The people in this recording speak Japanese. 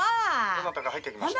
「どなたか入ってきました？」